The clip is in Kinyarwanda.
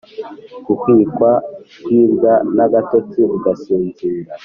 guhwikwa: kwibwa n’agatotsi ugasinzira